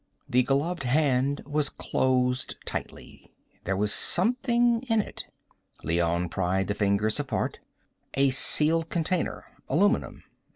The gloved hand was closed tightly. There was something in it. Leone pried the fingers apart. A sealed container, aluminum.